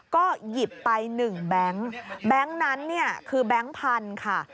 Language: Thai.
ก็หยิบไป๑แบงค์แบงค์นั้นเนี่ยคือแบงค์พันธุ์ค่ะ